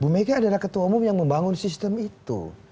bu mega adalah ketua umum yang membangun sistem itu